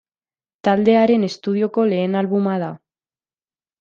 Taldearen estudioko lehen albuma da.